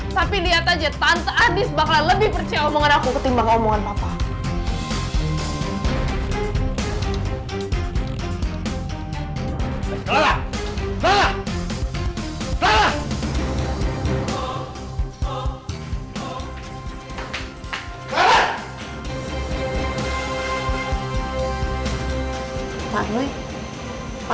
tapi liat aja tante andis bakalan lebih percaya omongan aku ketimbang omongan papa